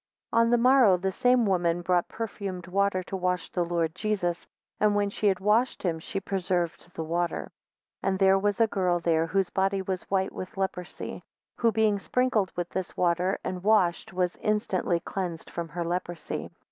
16 On the morrow, the same woman brought perfumed water to wash the Lord Jesus; and when she had washed him, she preserved the water. 17 And there was a girl there, whose body was white with a leprosy, who being sprinkled with this water, and washed, was instantly cleansed from her leprosy.